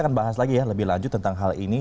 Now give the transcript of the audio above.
kita akan bahas lagi ya lebih lanjut tentang hal ini